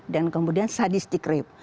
dan kemudian sadistik rape